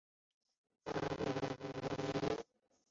圣让达尔卡皮耶。